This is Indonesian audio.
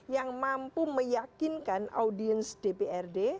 yang mampu meyakinkan audiens dprd